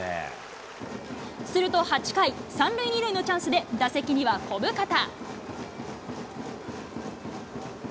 すると８回、３塁２塁のチャンスで打席には小深田。